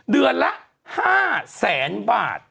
เดือนละ๕แสนบาท